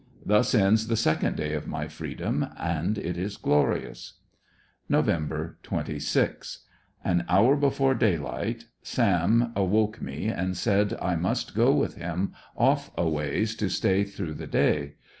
Thus ends the second day of my freedom, and it is glorious Nov. 26. — An hour before daylight "Sam" awoke me and said I must go with him off a ways to stay through the day.